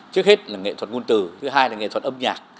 trước hết là nghệ thuật ngôn từ thứ hai là nghệ thuật âm nhạc